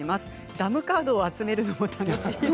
ダムカードを集めるのも楽しいです。